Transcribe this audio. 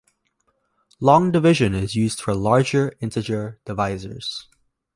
Long division is used for larger integer divisors.